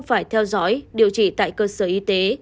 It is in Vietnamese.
phải theo dõi điều trị tại cơ sở y tế